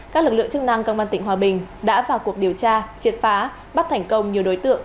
các lực lượng chức năng công an tỉnh hòa bình đã vào cuộc điều tra triệt phá bắt thành công nhiều đối tượng